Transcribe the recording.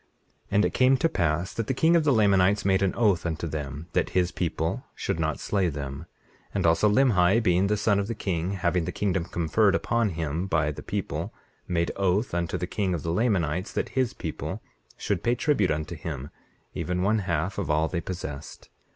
19:25 And it came to pass that the king of the Lamanites made an oath unto them, that his people should not slay them. 19:26 And also Limhi, being the son of the king, having the kingdom conferred upon him by the people, made oath unto the king of the Lamanites that his people should pay tribute unto him, even one half of all they possessed.